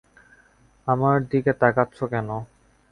আমার দিকে তাকাচ্ছ কেন?